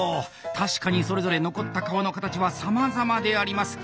確かにそれぞれ残った皮の形はさまざまであります。